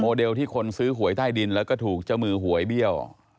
เลที่คนซื้อหวยใต้ดินแล้วก็ถูกเจ้ามือหวยเบี้ยว